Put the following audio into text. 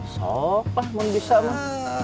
sopah mau bisa mah